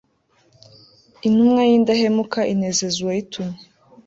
intumwa y'indahemuka inezeza uwayitumye